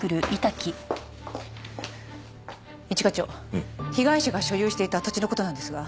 一課長被害者が所有していた土地の事なんですが。